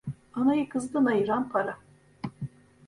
Anayı kızdan ayıran para.